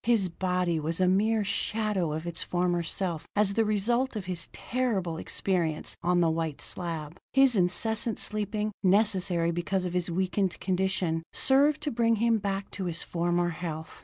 His body was a mere shadow of its former self as the result of his terrible experience on the white slab: his incessant sleeping, necessary because of his weakened condition, served to bring him back to his former health.